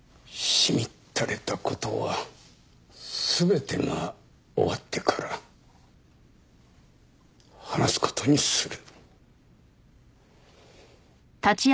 しみったれた事は全てが終わってから話す事にする。